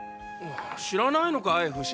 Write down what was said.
知らないのかいフシ。